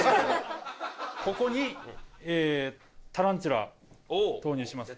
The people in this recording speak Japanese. ここにタランチュラを投入します